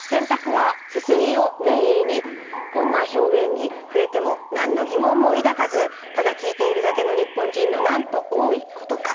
こんな表現に触れても何の疑問も抱かずただ聞いているだけの日本人のなんと多いことか。